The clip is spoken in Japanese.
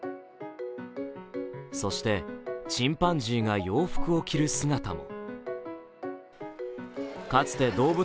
そして、チンパンジーが洋服を着る姿も。